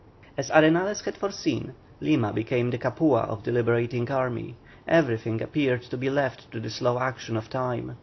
As Arenales had foreseen, Lima became the Capua of the liberating army; everything appeared to be left to the slow action of time.